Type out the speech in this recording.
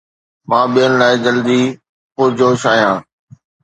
مان ٻين لاءِ جلدي پرجوش آهيان